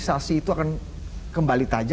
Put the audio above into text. dengan dua calon bukannya perbedaan dan koleksi